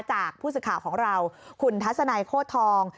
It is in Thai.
จากผู้สู้ข่าวของเราคุณทัศนัยโฆษฐอง